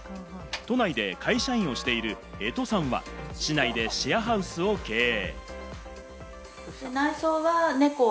都内で会社員をしている江渡さんは市内でシェアハウスを経営。